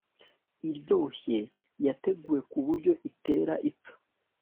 iryoshye yateguwe ku buryo itera ipfa